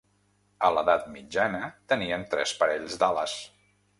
A l'Edat Mitjana tenien tres parells d'ales.